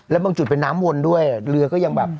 แล้วบางจุดเป็นน้ำวนด้วยเรือก็ยังแบบ